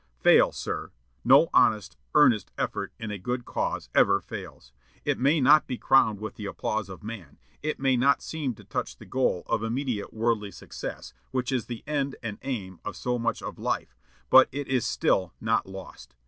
Fail, sir! No honest, earnest effort in a good cause ever fails. It may not be crowned with the applause of man; it may not seem to touch the goal of immediate worldly success, which is the end and aim of so much of life; but still it is not lost.